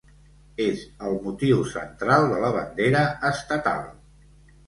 És el motiu central de la bandera estatal.